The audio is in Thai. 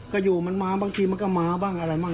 ก็อยู่มันมาบางทีมันก็มาบ้างอะไรบ้าง